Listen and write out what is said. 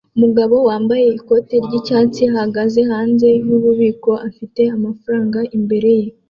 Umugabo wambaye ikoti ry'icyatsi ahagaze hanze yububiko afite amafaranga imbere ye